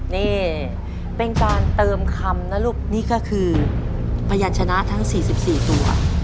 นี่เป็นการเติมคำนะลูกนี่ก็คือพยานชนะทั้ง๔๔ตัว